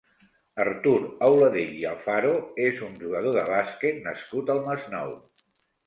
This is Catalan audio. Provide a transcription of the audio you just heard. Artur Auladell i Alfaro és un jugador de bàsquet nascut al Masnou.